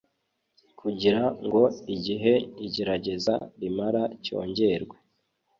kugira ngo igihe igerageza rimara cyongerwe